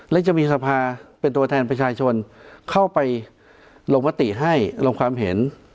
และจะมีสภาเป็นตัวแทนประชาชนเข้าไปลงมติให้ลงความเห็น